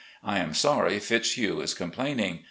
I am sorry Fitzhugh is complaining.